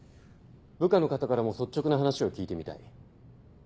部下の方からも率直な話を聞いてみたい。